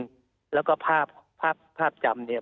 ก็คงต้องไปแก้ตรงนี้ว่าก็ต้องพยายามทำให้สภาพความเป็นจริง